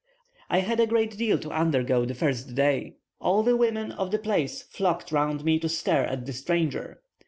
I had a great deal to undergo the first day: all the women of the place flocked round me to stare at the stranger.